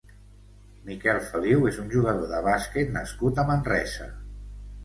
Miquel Feliu és un jugador de bàsquet nascut a Manresa.